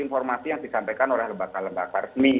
informasi yang disampaikan oleh lembaga lembaga resmi